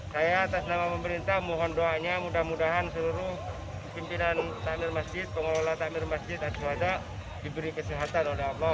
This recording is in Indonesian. saya atas nama pemerintah mohon doanya mudah mudahan seluruh pimpinan tamir masjid pengelola tamir masjid dan swada diberi kesehatan oleh allah